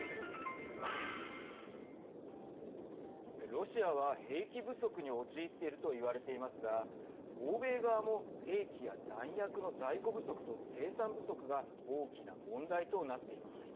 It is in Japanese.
ロシアは兵器不足に陥っていると言われていますが欧米側も兵器や弾薬の在庫不足と生産不足が大きな問題となっています。